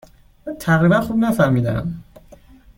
من تقریبا خوب نفهمیدم.